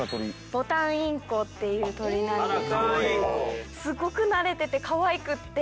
ボタンインコっていう鳥なんですけどすごく慣れててかわいくって。